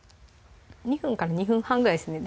２分から２分半ぐらいですね